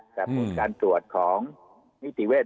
แต่ผลการตรวจของนิติเวศ